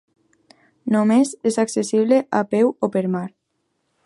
Només és accessible a peu o per mar.